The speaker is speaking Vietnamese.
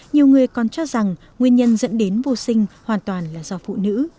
nhiều người còn cho rằng nguyên nhân dẫn đến vô sinh hoàn toàn là do phụ nữ